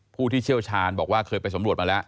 ผู้ที่เชี่ยวชาญบอกว่าเคยไปสำรวจมาแล้ว